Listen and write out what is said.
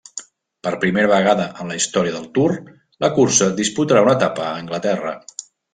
Per primera vegada en la història del Tour la cursa disputarà una etapa a Anglaterra.